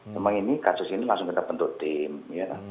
cuma ini kasus ini langsung kita bentuk tim ya